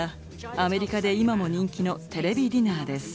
アメリカで今も人気の「ＴＶディナー」です。